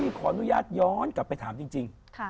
ขออนุญาตย้อนกลับไปถามจริง